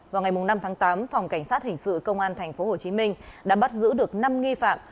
vào ngày năm tháng tám phòng cảnh sát hình sự công an thành phố hồ chí minh đã bắt giữ được năm nghi phạm